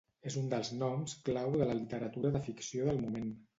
És un dels noms clau de la literatura de ficció del moment.